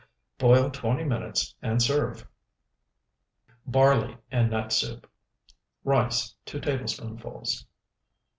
Boil twenty minutes and serve. BARLEY AND NUT SOUP Rice, 2 tablespoonfuls.